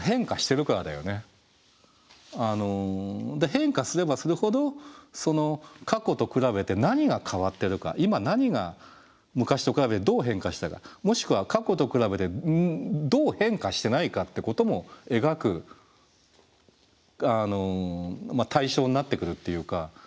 変化すればするほど過去と比べて何が変わってるか今何が昔と比べてどう変化したかもしくは過去と比べてどう変化してないかってことも描く対象になってくるっていうか。